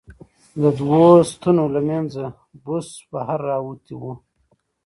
د دوو ستنو له منځه بوس بهر را وتي و.